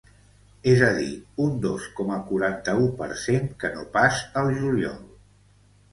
És a dir, un dos coma quaranta-u per cent que no pas al juliol.